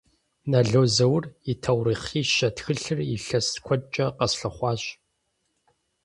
Нэло Зэур и «Тэурыхъищэ» тхылъыр илъэс куэдкӏэ къэслъыхъуащ.